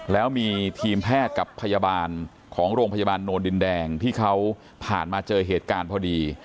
แล้วมีทีมแพทย์กับพยาบาลของโรงพยาบาลโนนดินแดงที่เขาผ่านมาเจอเหตุการณ์พอดี